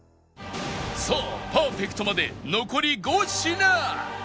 さあパーフェクトまで残り５品